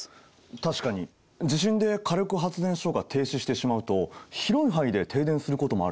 確かに地震で火力発電所が停止してしまうと広い範囲で停電することもあるよね。